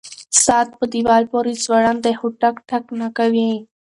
ساعت په دیوال پورې ځوړند دی خو ټک ټک نه کوي.